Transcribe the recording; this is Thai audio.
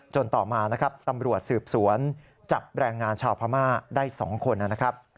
จนต่อมาตำรวจสืบสวนจับแรงงานชาวพม่าได้๒คน